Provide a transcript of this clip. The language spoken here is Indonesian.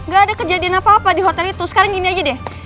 gak ada kejadian apa apa di hotel itu sekarang gini aja deh